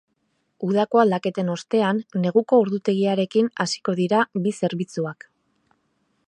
Udako aldaketen ostean, neguko ordutegiarekin hasiko dira bi zerbitzuak.